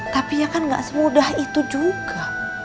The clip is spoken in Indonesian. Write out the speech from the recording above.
tapi ya kan gak semudah itu juga